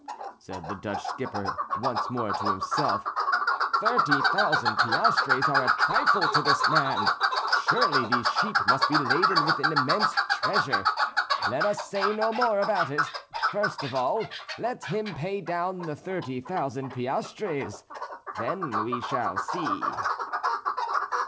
said the Dutch skipper once more to himself, "thirty thousand piastres are a trifle to this man; surely these sheep must be laden with an immense treasure; let us say no more about it. First of all, let him pay down the thirty thousand piastres; then we shall see."